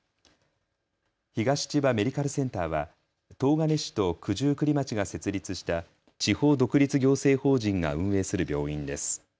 東千葉メディカルセンターは東金市と九十九里町が設立した地方独立行政法人が運営する病院です。